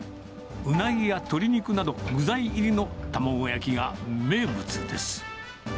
ウナギや鶏肉など、具材入りの卵焼きが名物です。